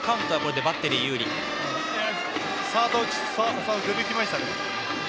サードが出てきましたね。